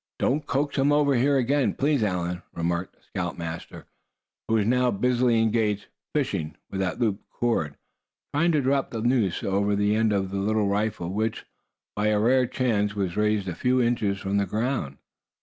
"Don't coax him over here again, please, Allan," remarked the scoutmaster, who was now busily engaged "fishing" with that looped cord, trying to drop the noose over the end of the little rifle, which, by a rare chance, was raised a few inches from the ground.